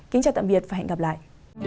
xin chào và hẹn gặp lại